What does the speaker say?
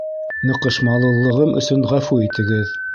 Ныҡышмалылығым өсөн ғәфү итегеҙ.